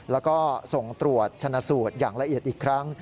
แล้วก็ส่งตรวจชนะสูตรอย่างละเอียดอีกครั้ง